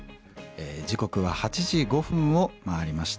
時刻は８時５分を回りました。